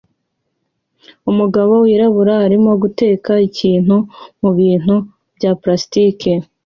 Umugabo wirabura arimo guteka ikintu mubintu bya plastiki